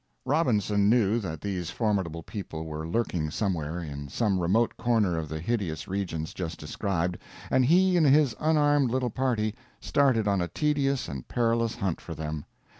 Robinson knew that these formidable people were lurking somewhere, in some remote corner of the hideous regions just described, and he and his unarmed little party started on a tedious and perilous hunt for them.